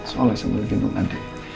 soalnya sama gendut adik